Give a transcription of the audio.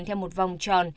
theo một vòng tròn